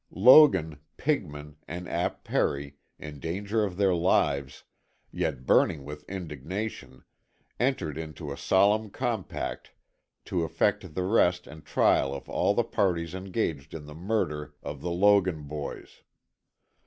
Logan, Pigman and Ap. Perry, in danger of their lives, yet burning with indignation, entered into a solemn compact to effect the arrest and trial of all the parties engaged in the murder of the Logan boys.